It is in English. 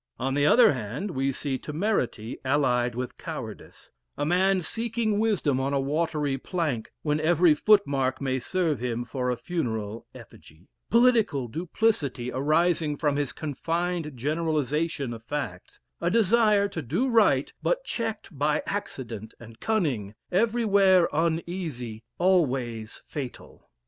On the other hand, we see temerity allied with cowardice a man seeking wisdom on a watery plank, when every footmark may serve him for a funeral effigy; political duplicity arising from his confined generalization of facts; a desire to do right, but checked by accident and cunning everywhere uneasy always fatal.